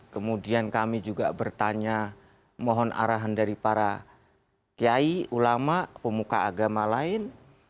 kemudian kami juga bertanya mohon arahan dari para kiai ulama pemuka agama lain